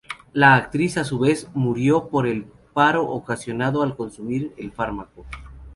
La actriz a su vez murió por el paro ocasionado al consumir el fármaco.